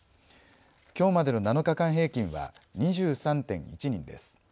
きょうまでの７日間平均は２３．１人です。